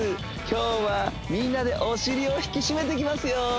今日はみんなでお尻を引き締めていきますよ